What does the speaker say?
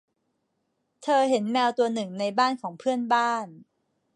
เธอเห็นแมวตัวหนึ่งในบ้านของเพื่อนบ้าน